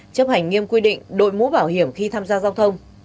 chấp hành nghiêm quy định đội mũ bảo hiểm khi tham gia giao thông